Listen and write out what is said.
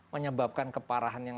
menyebabkan keparahan yang